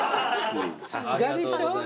さすがでしょ？